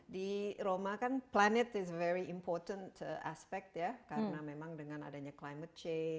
di roma kan planet adalah aspek yang sangat penting ya karena memang dengan adanya climate